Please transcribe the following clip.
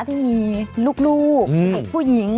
ที่มีลูกหรือผู้หญิง